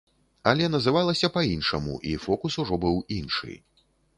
Але называлася па-іншаму, і фокус ужо быў іншы.